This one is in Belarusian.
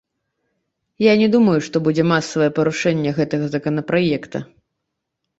Я не думаю, што будзе масавае парушэнне гэтага законапраекта.